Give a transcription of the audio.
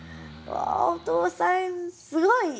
お父さんすごい！